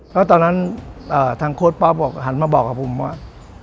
แล้วตอนนั้นทางโค้ดป๊อปบอกหันมาบอกกับผมว่า